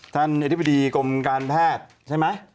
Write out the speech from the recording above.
อธิบดีกรมการแพทย์ใช่ไหม